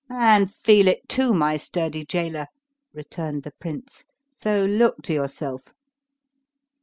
"And feel it too, my sturdy jailer," returned the prince; "so look to yourself."